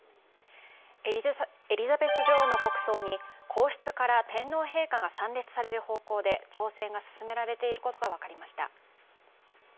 エリザベス女王の国葬に皇室から天皇陛下が参列される方向で調整が進められていることが分かりました。